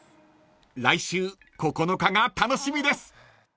［来週９日が楽しみです］